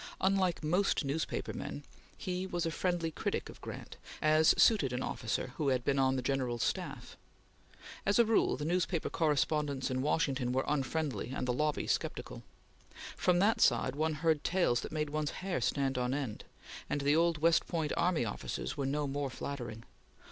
Unlike most newspaper men, he was a friendly critic of Grant, as suited an officer who had been on the General's staff. As a rule, the newspaper correspondents in Washington were unfriendly, and the lobby sceptical. From that side one heard tales that made one's hair stand on end, and the old West Point army officers were no more flattering.